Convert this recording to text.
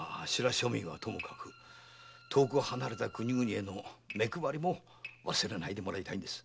庶民はともかく遠く離れた国々への目配りも忘れないでもらいたいんです。